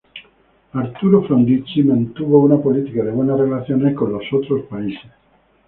Arturo Frondizi mantuvo una política de buenas relaciones con los países exteriores.